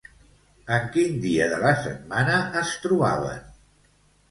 En quin dia de la setmana es trobaven?